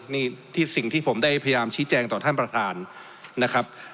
นี่ที่สิ่งที่ผมได้พยายามชี้แจงต่อท่านประธานนะครับ